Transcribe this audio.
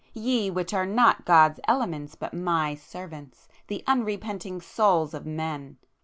—ye which are not God's elements but My servants, the unrepenting souls of men!